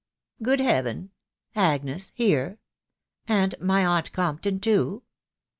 Good Heaven ! Agnes here? and my aunt Compton, too !